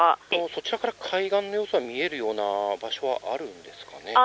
そちらから海岸の様子が見えるような場所はありますか。